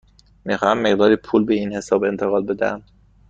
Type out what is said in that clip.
می خواهم مقداری پول به این حساب انتقال بدهم.